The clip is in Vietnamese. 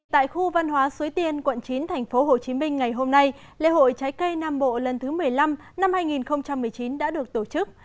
tại khu văn hóa suối tiên quận chín tp hcm ngày hôm nay lễ hội trái cây nam bộ lần thứ một mươi năm năm hai nghìn một mươi chín đã được tổ chức